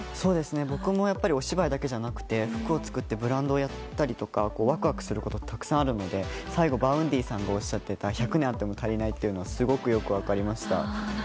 僕もお芝居だけじゃなくて服を作ってブランドをやったりとかワクワクすることがたくさんあるので最後Ｖａｕｎｄｙさんがおっしゃっていた１００年あっても足りないっていうのはすごくよく分かりました。